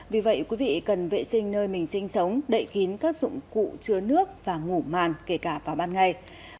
vì vậy quý vị cần vệ sinh nơi mình sinh sống đậy kín các dụng cụ chứa nước và ngủ màn kể cả vào ban ngày